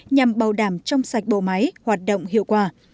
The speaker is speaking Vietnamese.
nhằm bảo đảm trong sạch bộ máy hoạt động hiệu quả